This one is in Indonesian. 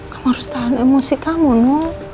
kamu harus tahan emosi kamu